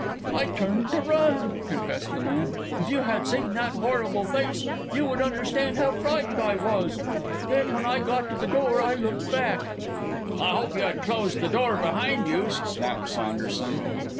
"I turned to run!" confessed the man. "If you had seen that horrible face, you would understand how frightened I was. Then when I got to the door, I looked back." "I hope you had closed the door behind you," snapped Saunderson.